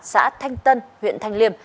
xã thanh tân huyện thanh liêm